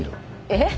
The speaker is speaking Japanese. えっ？